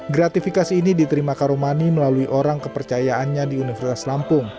gratifikasi ini diterima karomani melalui orang kepercayaannya di universitas lampung